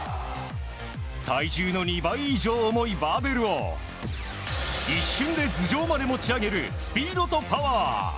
体重の２倍以上重いバーベルを一瞬で頭上まで持ち上げるスピードとパワー。